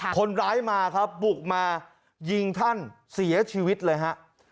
คนร้ายมาครับบุกมายิงท่านเสียชีวิตเลยฮะ